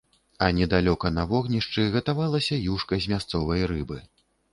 А недалёка на вогнішчы гатавалася юшка з мясцовай рыбы.